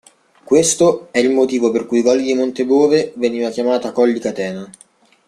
Questo è il motivo per cui Colli di Monte Bove veniva chiamava Colli Catena.